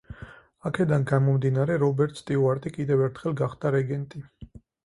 აქედან გამომდინარე, რობერტ სტიუარტი კიდევ ერთხელ გახდა რეგენტი.